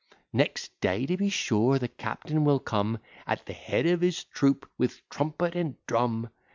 Next day to be sure, the captain will come, At the head of his troop, with trumpet and drum.